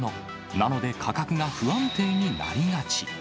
なので、価格が不安定になりがち。